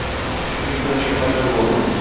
Shunga ko‘nishga majbur bo‘ldim.